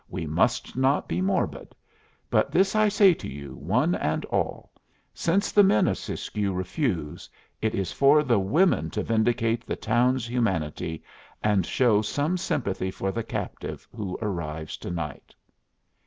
"We must not be morbid. But this I say to you, one and all: Since the men of Siskiyou refuse, it is for the women to vindicate the town's humanity, and show some sympathy for the captive who arrives to night."